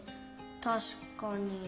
たしかに。